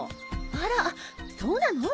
あらそうなの？